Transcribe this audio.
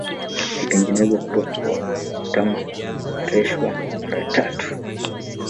Hutengenezwa kutoka kwa mtama, hunereshwa mara tatu.